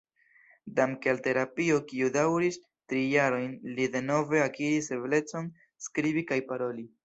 Danke al terapio kiu daŭris tri jarojn, li denove akiris eblecon skribi kaj paroli.